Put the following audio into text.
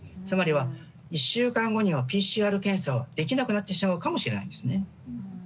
つまりは、１週間後にはＰＣＲ検査ができなくなってしまうかもしれないんですね。